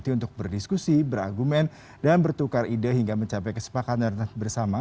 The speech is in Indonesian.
untuk berdiskusi beragumen dan bertukar ide hingga mencapai kesepakatan bersama